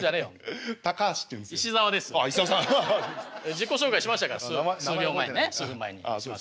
自己紹介しましたから数秒前にね数分前に。